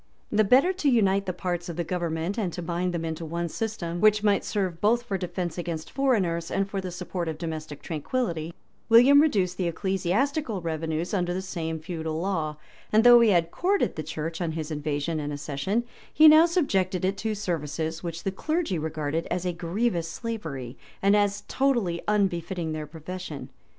2] The better to unite the parts of the government, and to bind them into one system, which might serve both for defence against foreigners and for the support of domestic tranquillity, William reduced the ecclesiastical revenues under the same feudal law; and though he had courted the church on his invasion and accession, he now subjected it to services which the clergy regarded as a grievous slavery, and as totally unbefitting their profession.